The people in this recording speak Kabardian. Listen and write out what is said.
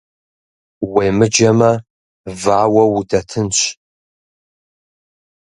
Уемыджэмэ, вауэу удэтынщ.